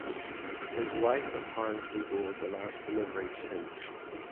His wife apparently bowled the last delivery to him.